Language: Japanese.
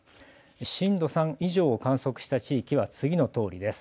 震度３以上を観測した地域は次のとおりです。